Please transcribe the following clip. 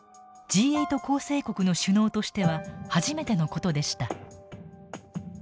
Ｇ８構成国の首脳としては初めての事でした。